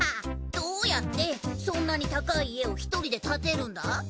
どうやってそんなに高い家を１人で建てるんだ？